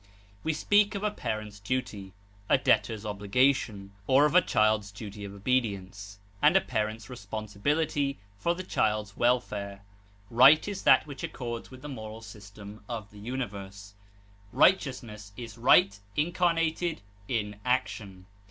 We speak of a parent's duty, a debtor's obligation; or of a child's duty of obedience, and a parent's responsibility for the child's welfare. Right is that which accords with the moral system of the universe. Righteousness is right incarnated in action.